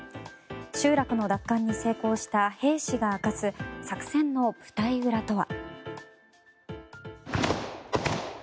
集落の奪還に成功した兵士が明かす作戦の舞台裏とは。